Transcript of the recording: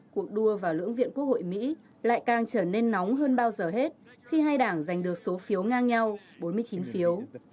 cuộc đua vào lưỡng viện quốc hội mỹ lại càng trở nên nóng hơn bao giờ hết khi hai đảng giành được số phiếu ngang nhau bốn mươi chín phiếu